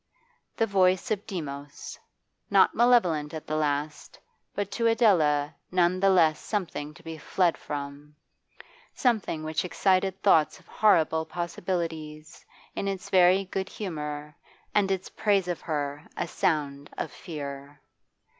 The voice of Demos, not malevolent at the last, but to Adela none the less something to be fled from, something which excited thoughts of horrible possibilities, in its very good humour and its praise of her a sound of fear.